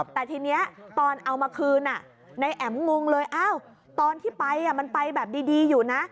แต่ทีนี้ตอนเอามาคืนนายแอ๋มงเลยตอนที่ไปมันไปแบบดีอยู่นะ